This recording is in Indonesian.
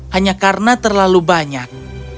hanya karena terlalu banyak